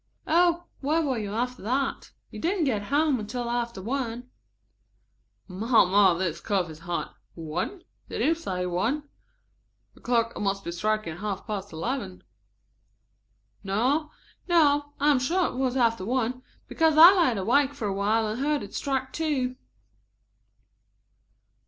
"Oh, where were you after that? You didn't get home until after one." "M'm, my, this coffee's hot! One? Did you say one? The clock must have been striking half past eleven." "No, I am sure it was after one, because I laid awake for a while and heard it strike two."